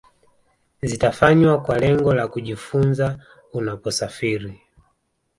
zitafanywa kwa lengo la kujifunza Unaposafiri